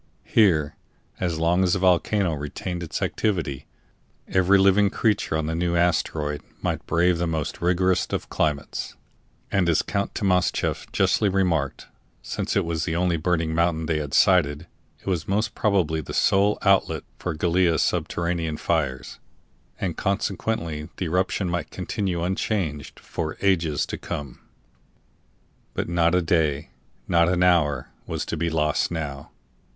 Here, as long as the volcano retained its activity, every living creature on the new asteroid might brave the most rigorous of climates; and as Count Timascheff justly remarked, since it was the only burning mountain they had sighted, it was most probably the sole outlet for Gallia's subterranean fires, and consequently the eruption might continue unchanged for ages to come. But not a day, not an hour, was to be lost now.